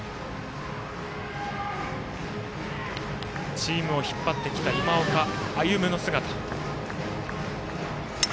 チームを引っ張ってきた今岡歩夢の姿。